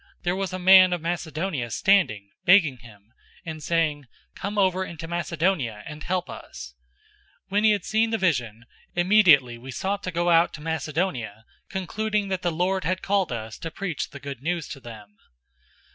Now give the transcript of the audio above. There was a man of Macedonia standing, begging him, and saying, "Come over into Macedonia and help us." 016:010 When he had seen the vision, immediately we sought to go out to Macedonia, concluding that the Lord had called us to preach the Good News to them.